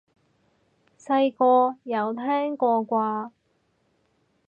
細個有聽過啩？